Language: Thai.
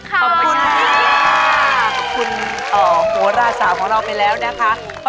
ขอบคุณพี่คุณหัวล่าสาวของเราไปแล้วนะคะ